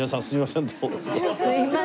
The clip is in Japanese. すいません。